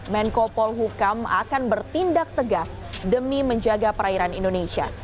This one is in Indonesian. menko polhukam akan bertindak tegas demi menjaga perairan indonesia